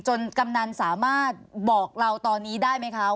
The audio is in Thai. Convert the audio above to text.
กำนันสามารถบอกเราตอนนี้ได้ไหมคะ